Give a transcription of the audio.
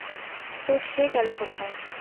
তো, সে গেলো কোথায়?